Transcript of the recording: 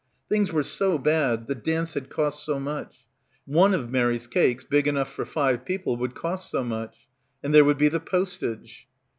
Things were so bad, the dance had cost so much. One of Mary's cakes, big enough for five people, would cost so much. And there would be the postage.